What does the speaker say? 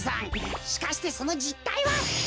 しかしてそのじったいは！